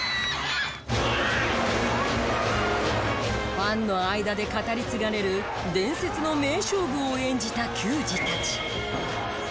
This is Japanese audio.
ファンの間で語り継がれる伝説の名勝負を演じた球児たち。